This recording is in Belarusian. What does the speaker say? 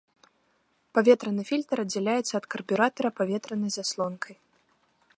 Паветраны фільтр аддзяляецца ад карбюратара паветранай заслонкай.